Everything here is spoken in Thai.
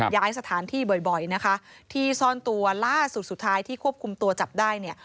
ย้ายสถานที่บ่อยนะคะที่ซ่อนตัวล่าสุดสุดท้ายที่ควบคุมตัวจับได้